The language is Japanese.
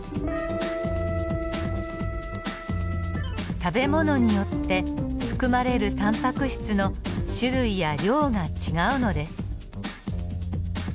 食べ物によって含まれるタンパク質の種類や量が違うのです。